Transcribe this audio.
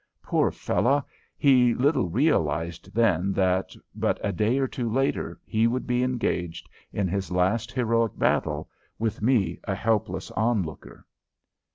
Poor fellow, he little realized then that but a day or two later he would be engaged in his last heroic battle, with me a helpless onlooker!